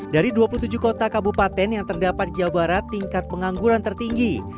dari dua puluh tujuh kota kabupaten yang terdapat di jawa barat tingkat pengangguran tertinggi